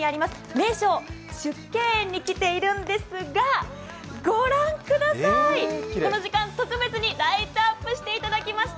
名勝縮景園に来ているんですが御覧ください、この時間、特別にライトアップしていただきました。